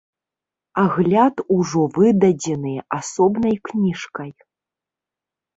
Агляд ужо выдадзены асобнай кніжкай.